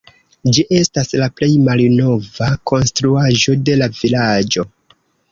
Ĝi estas la plej malnova konstruaĵo de la vilaĝo.